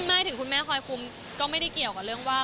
ไม่ถึงคุณแม่คอยคุมก็ไม่ได้เกี่ยวกับเรื่องว่า